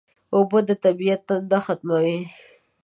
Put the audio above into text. اوبه د طبیعت تنده ختموي